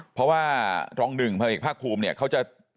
เพราะว่ารอง๑ภาคภูมิเนี่ยเขาจะ